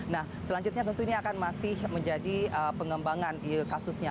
nah selanjutnya tentu ini akan masih menjadi pengembangan kasusnya